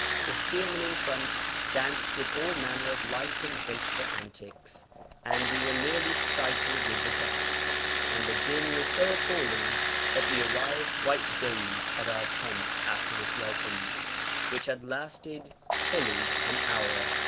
The spearmen in front danced with all manner of light and graceful antics, and we were nearly stifled with the dust; and the din was so appalling that we arrived quite dazed at our tents after this welcome, which had lasted fully an hour.